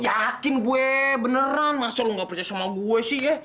yakin gue beneran masa lu ga percaya sama gue sih ya